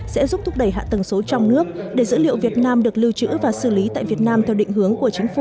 sẽ giúp thúc đẩy hạ tầng số trong nước để dữ liệu việt nam được lưu trữ và xử lý tại việt nam theo định hướng